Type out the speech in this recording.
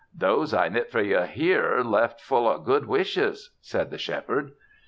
"Those I knit for ye left here full of good wishes," said the Shepherd.